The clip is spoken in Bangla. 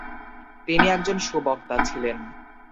তিনি একজন সুবক্তা ছিলেন।